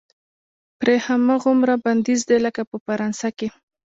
پرې هماغومره بندیز دی لکه په فرانسه کې.